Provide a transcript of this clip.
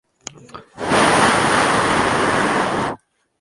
Andrew is married to Sarah and they have one son.